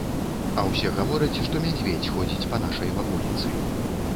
А ўсё гавораць, што мядзведзь ходзіць па нашай ваколіцы.